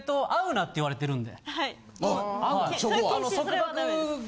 あそこは。